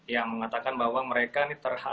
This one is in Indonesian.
yang mengatakan bahwa mereka ini terhadap